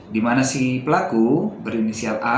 di mana si pelaku berinisial a